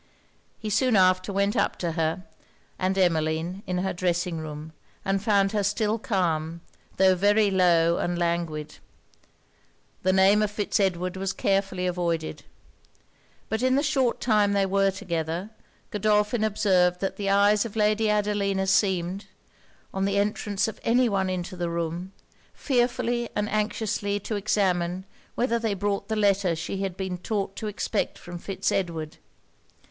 He soon after went up to her and Emmeline, in her dressing room; and found her still calm, tho' very low and languid. The name of Fitz Edward was carefully avoided. But in the short time they were together, Godolphin observed that the eyes of Lady Adelina seemed, on the entrance of any one into the room, fearfully and anxiously to examine whether they brought the letter she had been taught to expect from Fitz Edward.